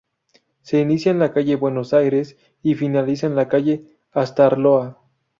Se inicia en la calle Buenos Aires y finaliza en la calle Astarloa.